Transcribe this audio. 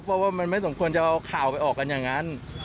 เพราะว่ามันไม่สมควรจะเอาข่าวไปออกกันอย่างนั้น